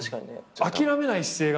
諦めない姿勢が。